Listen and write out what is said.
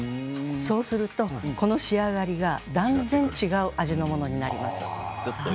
そうするとこの仕上がりが断然違う味のものになります。